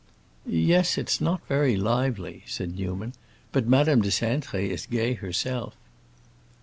"Yes, it's not very lively," said Newman. "But Madame de Cintré is gay herself."